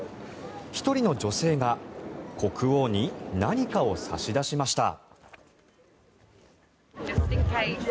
１人の女性が国王に何かを差し出しました。